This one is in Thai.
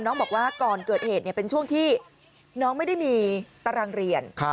น้องบอกว่าก่อนเกิดเหตุเป็นช่วงที่น้องไม่ได้มีตารางเรียน